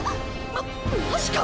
ママジか！